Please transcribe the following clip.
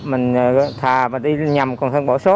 mình thà mà đi nhầm còn thêm bỏ số